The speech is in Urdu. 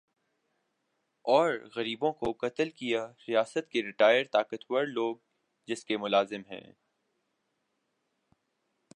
اور غریبوں کو قتل کیا ریاست کے ریٹائر طاقتور لوگ جس کے ملازم ھیں